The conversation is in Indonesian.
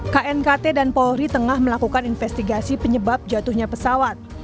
knkt dan polri tengah melakukan investigasi penyebab jatuhnya pesawat